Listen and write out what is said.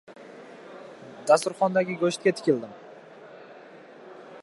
Dasturxondagi go‘shtga tikildim.